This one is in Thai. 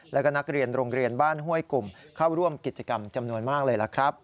แล้วก็นักเรียนโรงเรียนบ้านห้วยกลุ่มเข้าร่วมกิจกรรมจำนวนมากเลยล่ะครับ